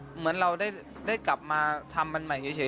เหมือนเราได้กลับมาทำมันใหม่เฉย